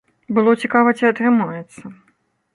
Было цікава, ці атрымаецца.